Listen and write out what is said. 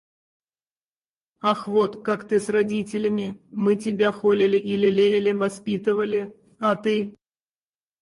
Ах вот, как ты с родителями. Мы тебя холили и лелеяли, воспитывали... А ты!